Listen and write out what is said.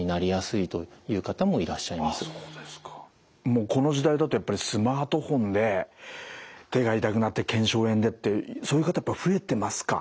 もうこの時代だとやっぱりスマートフォンで手が痛くなって腱鞘炎でってそういう方やっぱり増えてますか？